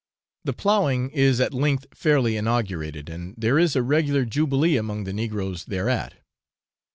The ploughing is at length fairly inaugurated, and there is a regular jubilee among the negroes thereat.